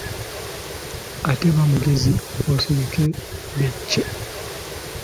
Ate ba mugezi osirike be cce.